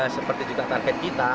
seperti juga target kita